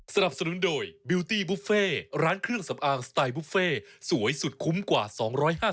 สักครู่เดี๋ยวค่ะอีกเบรคหนึ่ง